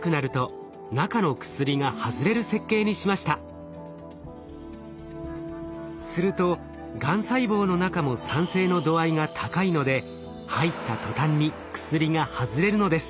そこで片岡さんはするとがん細胞の中も酸性の度合いが高いので入った途端に薬が外れるのです。